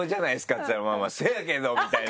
っつったら「まぁせやけど」みたいな。